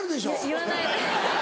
言わない。